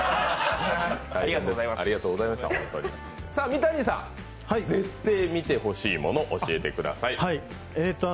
三谷さん、ぜってぇ見てほしいもの教えてください。